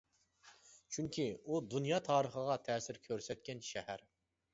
چۈنكى ئۇ دۇنيا تارىخىغا تەسىر كۆرسەتكەن شەھەر.